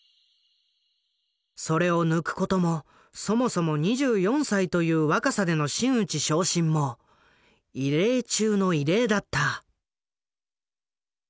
それを抜くこともそもそも２４歳という若さでの真打ち昇進も異例中の異例だった。